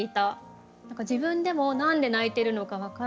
自分でも何で泣いてるのか分からない。